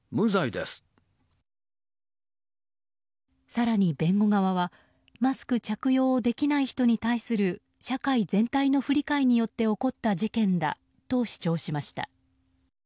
更に弁護側はマスク着用をできない人に対する社会全体の不理解によって起こった事件だと主張しました。